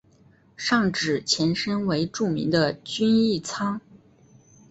上址前身为著名的均益仓。